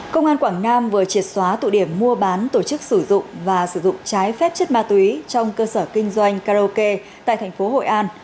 công an quảng nam vừa triệt xóa tụ điểm mua bán tổ chức sử dụng và sử dụng trái phép chất ma túy trong cơ sở kinh doanh karaoke tại thành phố hội an